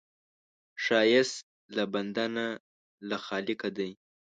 ښایست له بنده نه، له خالقه دی